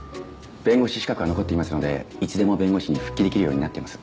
弁護士資格は残っていますのでいつでも弁護士に復帰出来るようになっています。